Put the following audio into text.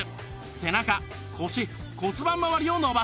背中腰骨盤まわりを伸ばします